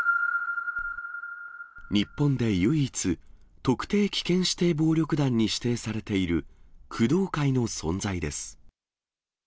日本で唯一、特定危険指定暴力団に指定されている、工藤会の存在です。